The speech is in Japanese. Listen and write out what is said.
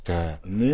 ねえ。